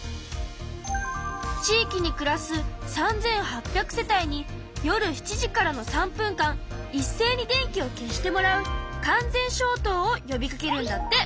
地域に暮らす３８００世帯に夜７時からの３分間いっせいに電気を消してもらう完全消灯を呼びかけるんだって。